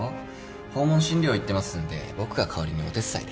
訪問診療行ってますんで僕が代わりにお手伝いで。